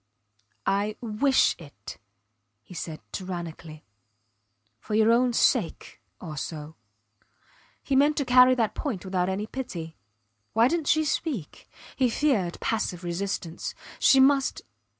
I wish it, he said, tyrannically. For your own sake also. ... He meant to carry that point without any pity. Why didnt she speak? He feared passive resistance. She must.